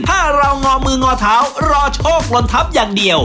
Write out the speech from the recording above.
ถ้าเรางอมืองอเท้ารอโชคลนทัพอย่างเดียว